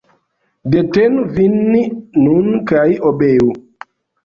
Detenu vin nun kaj obeu.